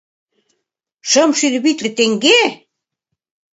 — Шымшӱдӧ витле теҥге!